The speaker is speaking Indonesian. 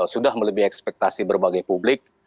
sudah melebih ekspektasi berbagai publik